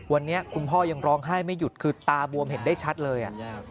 วันนี้คุณพ่อยังร้องไห้ไม่หยุดคือตาบวมเห็นได้ชัดเลย